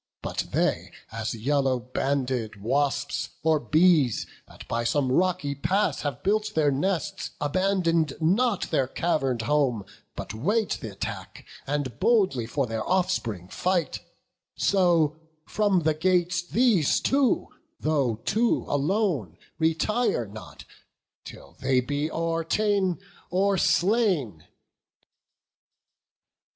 But they, as yellow banded wasps, or bees, That by some rocky pass have built their nests, Abandon not their cavern'd home, but wait Th' attack, and boldly for their offspring fight; So from the gates these two, though two alone, Retire not, till they be or ta'en or slain."